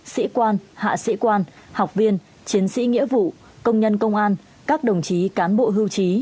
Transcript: sĩ quan hạ sĩ quan học viên chiến sĩ nghĩa vụ công nhân công an các đồng chí cán bộ hưu trí